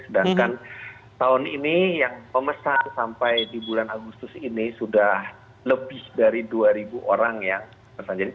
sedangkan tahun ini yang pemesan sampai di bulan agustus ini sudah lebih dari dua orang yang memesan jadi